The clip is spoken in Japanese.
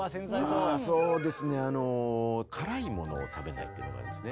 あそうですねあの辛いものを食べないっていうのがあるんですね。